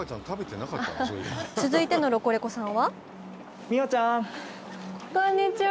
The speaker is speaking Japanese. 続いてのロコレコさんは？